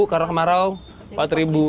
karena kemarau empat ribu